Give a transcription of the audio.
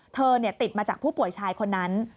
ติดมาจากผู้ป่วยชายคนนั้น